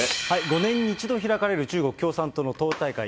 ５年に１度開かれる中国共産党の党大会。